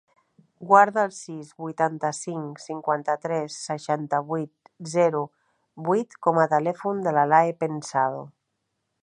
Guarda el sis, vuitanta-cinc, cinquanta-tres, seixanta-vuit, zero, vuit com a telèfon de l'Alae Pensado.